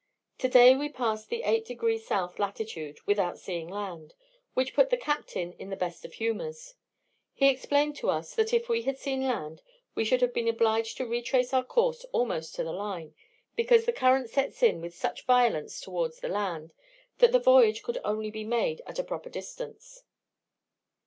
Today we passed the 8 degrees South latitude, without seeing land, which put the captain in the best of humours. He explained to us, that if we had seen land, we should have been obliged to retrace our course almost to the line, because the current sets in with such violence towards the land, that the voyage could only be made at a proper distance.